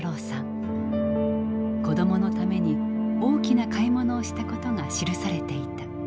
子供のために大きな買い物をしたことが記されていた。